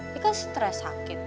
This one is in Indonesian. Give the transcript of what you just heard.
dia kan stress sakit